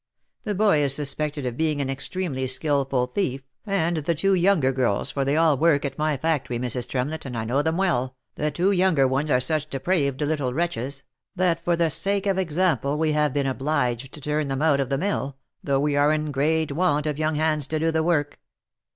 The boy is suspected of being an extremely skilful thief, and the two younger girls, for they all work at my factory, Mrs. Tremlett, and I know them well, the two younger ones are such de praved little wretches, that for the sake of example we have been obliged to turn them out of the mill, though we are in great want of young hands to do the work.